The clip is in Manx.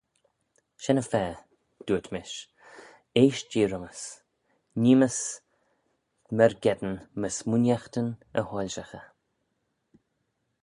"Shen-y-fa dooyrt mish, Eaisht-jee rhym's; neem's myrgeddin my smooinaghtyn y hoilshaghey."